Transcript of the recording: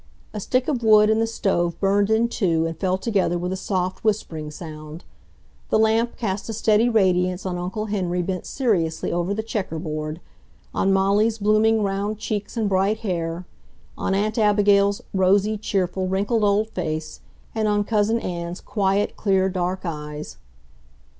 A stick of wood in the stove burned in two and fell together with a soft, whispering sound. The lamp cast a steady radiance on Uncle Henry bent seriously over the checker board, on Molly's blooming, round cheeks and bright hair, on Aunt Abigail's rosy, cheerful, wrinkled old face, and on Cousin Ann's quiet, clear, dark eyes....